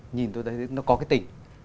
nhìn tôi thấy nó có cái tỉnh